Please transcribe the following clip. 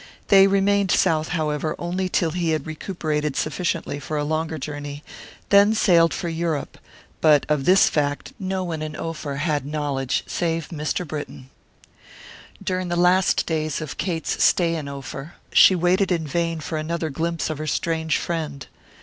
They remained south, however, only until he had recuperated sufficiently for a longer journey, and then sailed for Europe, but of this fact no one in Ophir had knowledge save Mr. Britton. During the last days of Kate's stay in Ophir she watched in vain for another glimpse of her strange friend.